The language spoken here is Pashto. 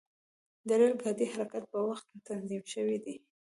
د ریل ګاډي حرکت په وخت تنظیم شوی دی.